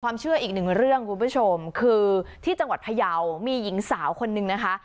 เชื่ออีกหนึ่งเรื่องคุณผู้ชมคือที่จังหวัดพยาวมีหญิงสาวคนนึงนะคะ